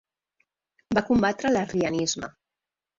Va combatre l'arrianisme.